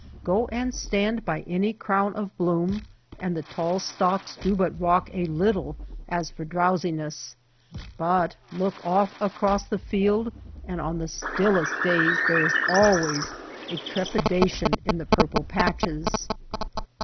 Go and stand by any crown of bloom and the tall stalks do but rock a little as for drowsiness, but look off across the field, and on the stillest days there is always a trepidation in the purple patches.